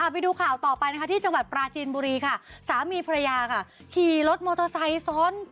ไปดูข่าวต่อไปนะคะที่จังหวัดปราจีนบุรีค่ะสามีภรรยาค่ะขี่รถมอเตอร์ไซค์ซ้อน